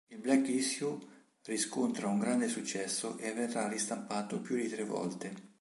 Il "Black Issue" riscontra una grande successo e verrà ristampato più di tre volte.